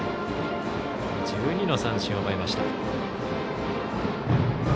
１２の三振を奪いました。